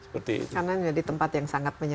karena ini tempat yang